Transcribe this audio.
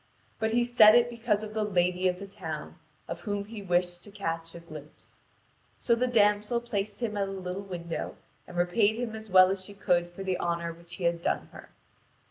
But he said it because of the lady of the town, of whom he wished to catch a glimpse. So the damsel placed him at a little window, and repaid him as well as she could for the honour which he had done her.